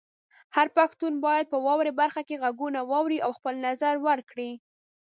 هر پښتون باید په "واورئ" برخه کې غږونه واوري او خپل نظر ورکړي.